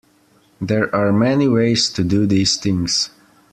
There are many ways to do these things.